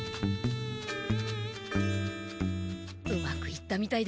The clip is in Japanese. うまくいったみたいだ。